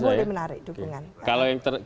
nggak boleh menarik dukungan